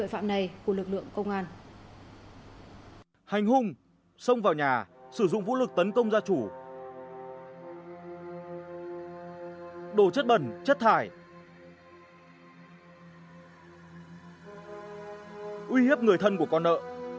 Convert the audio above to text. hành hung xông vào nhà sử dụng vũ lực tấn công gia chủ đồ chất bẩn chất thải uy hiếp người thân của con nợ